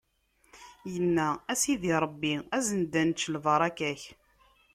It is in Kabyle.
Inna: A Sidi Ṛebbi, azen-d ad nečč lbaṛaka-k!